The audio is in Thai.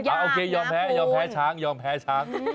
ย่างนะครูนโอเคยอมแพ้ช้างยอมแพ้ช้าง